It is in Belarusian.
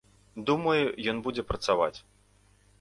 Думаю, ён будзе працаваць.